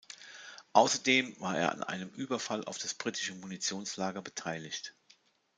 Außerdem war er an einem Überfall auf ein britisches Munitionslager beteiligt.